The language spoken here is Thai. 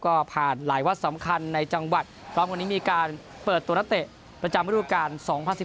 ก็ผ่านหลายวัดสำคัญในจังหวัดพร้อมวันนี้มีการเปิดตัวนักเตะประจำฤดูการ๒๐๑๙